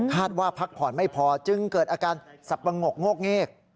ว่าพักผ่อนไม่พอจึงเกิดอาการสับปะงกโงกเงก